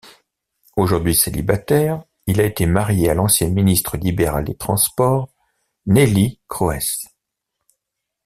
Aujourd'hui célibataire, il a été marié à l'ancienne ministre libérale des Transports, Neelie Kroes.